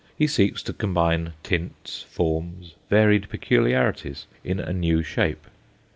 He seeks to combine tints, forms, varied peculiarities, in a new shape.